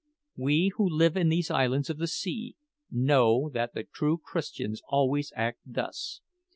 We, who live in these islands of the sea, know that the true Christians always act thus.